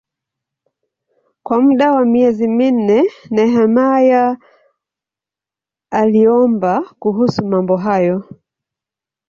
Kwa muda wa miezi minne Nehemia aliomba kuhusu mambo hayo.